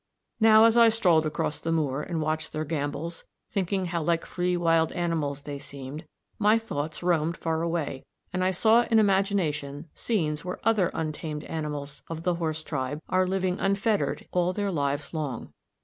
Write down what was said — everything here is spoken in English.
Now as I strolled across the moor and watched their gambols, thinking how like free wild animals they seemed, my thoughts roamed far away, and I saw in imagination scenes where other untamed animals of the horse tribe are living unfettered all their lives long.